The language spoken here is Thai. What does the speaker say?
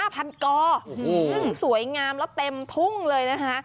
ซึ่งสวยงามแล้วเต็มทุ่งเลยนะคะ